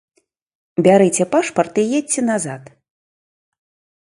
Бярыце пашпарт і едзьце назад.